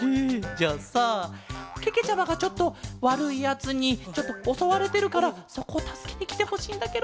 じゃあさけけちゃまがちょっとわるいやつにちょっとおそわれてるからそこをたすけにきてほしいんだケロ。